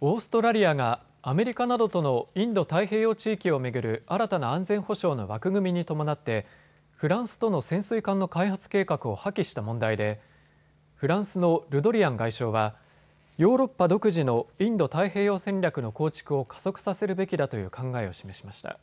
オーストラリアがアメリカなどとのインド太平洋地域を巡る新たな安全保障の枠組みに伴ってフランスとの潜水艦の開発計画を破棄した問題でフランスのルドリアン外相はヨーロッパ独自のインド太平洋戦略の構築を加速させるべきだという考えを示しました。